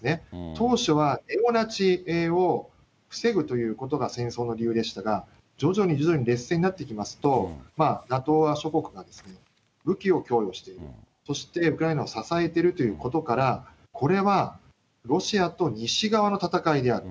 当初は、ネオナチを防ぐということが戦争の理由でしたが、徐々に徐々に劣勢になってきますと、ＮＡＴＯ側諸国、武器を供与している、そしてウクライナを支えているということから、これはロシアと西側の戦いである。